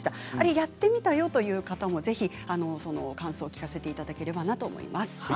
やってみたよという方もぜひ感想を聞かせていただければなと思います。